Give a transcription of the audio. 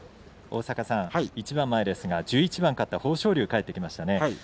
一番前ですが１１番勝った豊昇龍が帰ってきました。